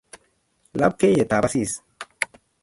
lapkeiyetap asis